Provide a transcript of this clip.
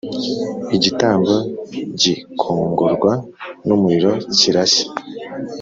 igitambo gikongorwa n umuriro cyirashya